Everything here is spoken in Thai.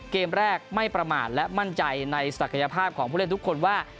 เกมแรกไม่ประมาทและมั่นใจในศักยภาพของผู้เล่นทุกคนว่า